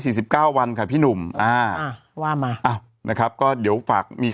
สิบเก้าวันค่ะพี่หนุ่มอ่าอ่าว่ามาอ้าวนะครับก็เดี๋ยวฝากมี